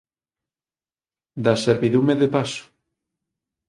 Da servidume de paso